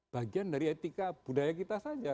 bagian dari etika budaya kita saja